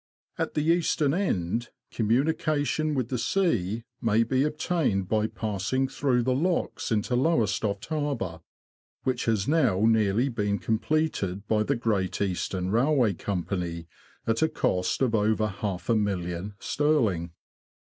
35 At the eastern end, communication with the sea may be obtained by passing through the locks into Lowes toft Harbour, which has now nearly been completed by the Great Eastern Railway Company, at a cost of over half a million sterling.